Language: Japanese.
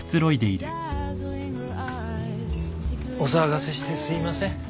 お騒がせしてすいません。